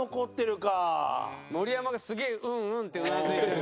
盛山がすげえうんうんってうなずいてるけど。